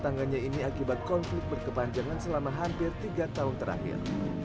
tetangganya ini akibat konflik berkepanjangan selama hampir tiga tahun terakhir